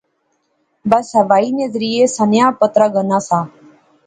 بس ہوائی نے ذریعے سنیاہ پترا گینا سا